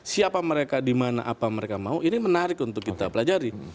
siapa mereka di mana apa mereka mau ini menarik untuk kita pelajari